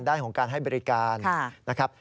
ด้านของการให้บริการนะครับ